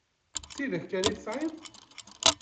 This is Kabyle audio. D tidak kan i tesɛiḍ?